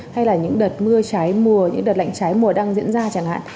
hay là những đợt mưa trái mùa những đợt lạnh trái mùa đang diễn ra chẳng hạn